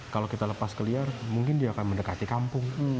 kalau kita lepas ke liar mungkin dia akan mendekati kampung